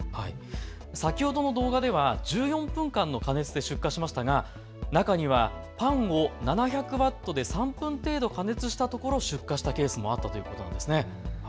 先ほどの動画では１４分間の加熱で出火しましたが中にはパンを７００ワットで３分程度、加熱したところ出火したケースもあったということです。